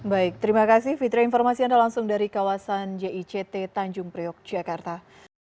baik terima kasih fitri informasi anda langsung dari kawasan jict tanjung priok jakarta